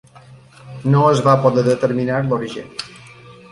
No es va poder determinar l'origen.